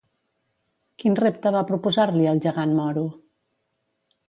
Quin repte va proposar-li al gegant moro?